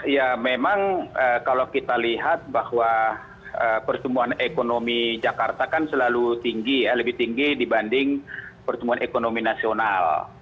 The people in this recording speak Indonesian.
ya memang kalau kita lihat bahwa pertumbuhan ekonomi jakarta kan selalu tinggi ya lebih tinggi dibanding pertumbuhan ekonomi nasional